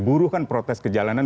buruh kan protes kejalanan